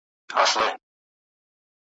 چي آشنا مي دی د پلار او د نیکونو `